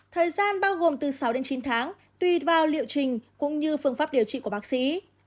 thời gian bao gồm từ sáu đến chín tháng tùy vào liệu trình cũng như phương pháp điều trị của bác sĩ